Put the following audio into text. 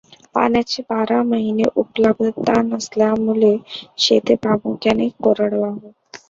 पाण्याची बारा महिने उपलब्धतता नसल्यामुळे शेती प्रामुख्याने कोरडवाहू.